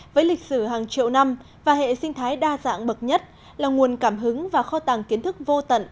với lịch sử hàng triệu năm và hệ sinh thái đa dạng bậc nhất là nguồn cảm hứng và kho tàng kiến thức vô tận